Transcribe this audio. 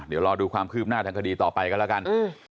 เดี๋ยวรอดูความคืบหน้าทางคดีต่อไปกันแล้วกัน